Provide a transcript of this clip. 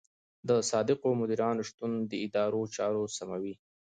د صادقو مدیرانو شتون د ادارو چارې سموي.